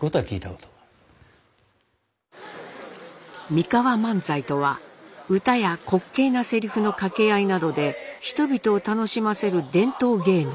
「三河万歳」とは歌や滑稽なせりふの掛け合いなどで人々を楽しませる伝統芸能。